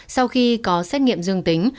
sau khi có xét nghiệm dương tính